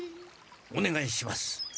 おねがいします。